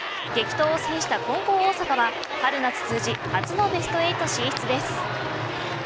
激闘を制した金光大阪は春夏通じ初のベスト８進出です。